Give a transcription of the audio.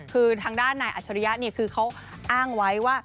คือทางด้านนายอัจฉริยะคือเขาอ้างไว้ว่า